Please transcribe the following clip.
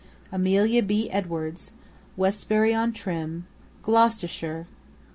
AMELIA B. EDWARDS. WESTBURY ON TRYM, GLOUCESTERSHIRE, Dec.